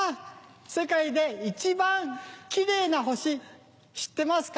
世界で一番キレイな星知ってますか？